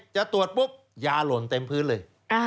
จะตรวจปุ๊บยาหล่นเต็มพื้นเลย